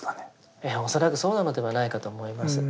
ええ恐らくそうなのではないかと思います。